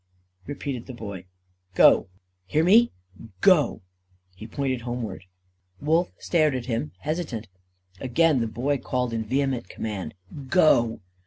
repeated the Boy. "Go! Hear me? Go!" He pointed homeward. Wolf stared at him, hesitant. Again the Boy called in vehement command, "_Go!